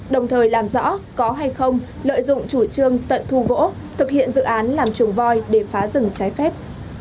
đồng thời làm rõ có hay không lợi dụng chủ trương tận thu gỗ thực hiện dự án làm chuồng voi để phá rừng trái phép